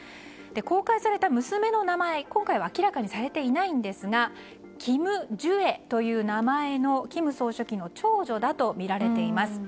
公開された娘の名前は今回は明らかにされていないんですがキム・ジュエという名前の金総書記の長女だとみられています。